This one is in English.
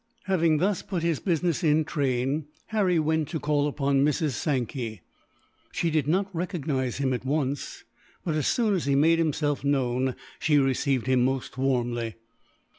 Having thus put his business in train, Harry went to call upon Mrs. Sankey. She did not recognize him at once but, as soon as he made himself known, she received him most warmly.